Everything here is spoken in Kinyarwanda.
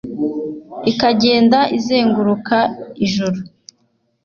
ikagenda izenguruka ijuru